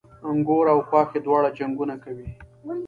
مږور او خواښې دواړه جنګونه کوي